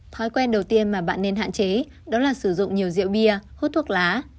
thói quen đầu tiên mà bạn nên hạn chế đó là sử dụng nhiều rượu bia hút thuốc lá